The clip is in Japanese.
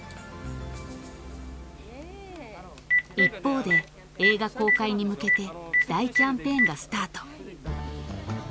［一方で映画公開に向けて大キャンペーンがスタート］